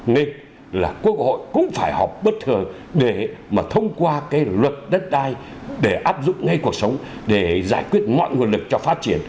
nên là quốc hội cũng phải họp bất thường để mà thông qua cái luật đất đai để áp dụng ngay cuộc sống để giải quyết mọi nguồn lực cho phát triển